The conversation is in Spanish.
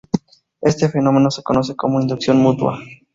Este fenómeno se conoce como inducción mutua.